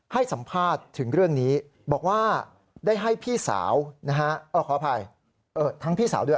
ให้สัมภาษณ์ถึงเรื่องนี้บอกว่าได้ให้พี่สาวนะฮะขออภัยทั้งพี่สาวด้วย